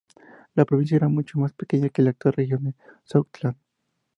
La provincia era mucho más pequeña que la actual región de Southland.